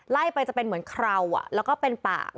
ไล่ไปจะเป็นเหมือนเคราแล้วก็เป็นปาก